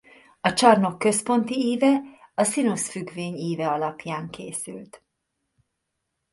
A csarnok központi íve a szinusz függvény íve alapján készült.